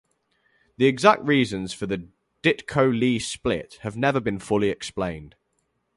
The exact reasons for the Ditko-Lee split have never been fully explained.